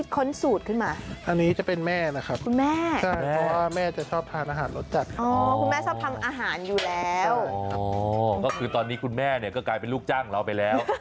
หรือยังไม่ก็น้ำมะนาวเดี๋ยวบีบมาน้อยเกินไป